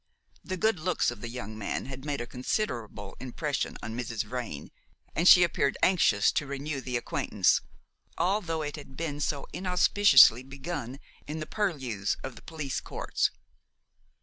The good looks of the young man had made a considerable impression on Mrs. Vrain, and she appeared anxious to renew the acquaintance, although it had been so inauspiciously begun in the purlieus of the police courts.